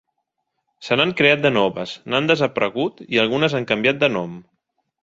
Se n'han creat de noves, n'han desaparegut i algunes han canviat de nom.